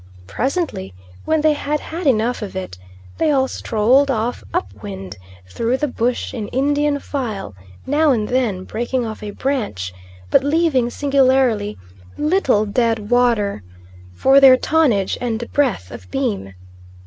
Presently when they had had enough of it they all strolled off up wind, through the bush in Indian file, now and then breaking off a branch, but leaving singularly little dead water for their tonnage and breadth of beam.